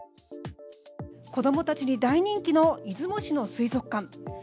子どもたちに大人気の出雲市の水族館。